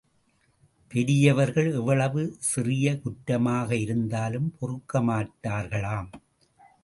பெரியவர்கள் எவ்வளவு சிறிய குற்றமாக இருந்தாலும் பொறுக்கமாட்டார்களாம்.